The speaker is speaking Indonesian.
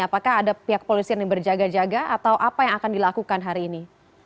apakah ada pihak polisian yang berjaga jaga atau apa yang akan dilakukan hari ini